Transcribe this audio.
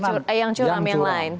cur yang curam yang lain